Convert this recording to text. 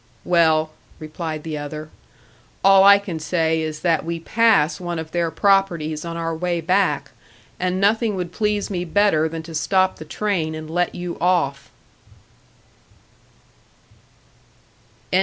"Well," replied the other, "all I can say is that we pass one of their properties on our way back, and nothing would please me better than to stop the train and let you off!"